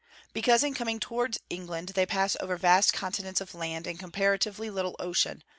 _ Because in coming towards England they pass over vast continents of land, and comparatively little ocean.